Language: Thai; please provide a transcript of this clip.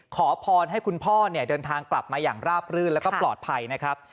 ขอพรให้คุณพ่อเนี่ยเดินทางกลับมาอย่างราบรื่นแล้วก็ปลอดภัยนะครับ